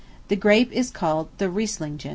The grape is called the Riesslingen.